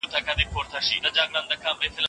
ملا بانګ په خپله تنهایۍ کې یوه لویه نړۍ ومونده.